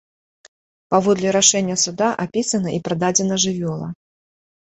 Паводле рашэння суда апісана і прададзена жывёла.